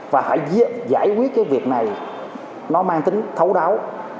và hãy giải quyết cái việc này nó mang tính thấu đáo